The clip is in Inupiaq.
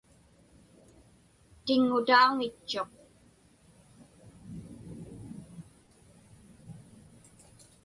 Tiŋŋutauŋitchuq.